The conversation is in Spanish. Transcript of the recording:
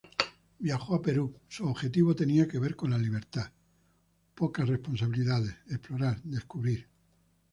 Viajó a Perú, su objetivo tenía que ver con libertad, pocas responsabilidades, explorar, descubrir.